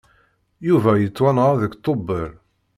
Yuba yettwanɣa deg Tubeṛ.